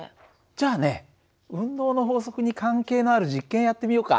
じゃあね運動の法則に関係のある実験やってみようか。